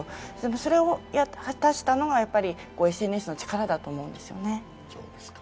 それを果たしたのがＳＮＳの力だと思うんですよね。